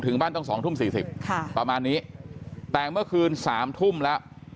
บ้านต้อง๒ทุ่ม๔๐ประมาณนี้แต่เมื่อคืนสามทุ่มแล้ว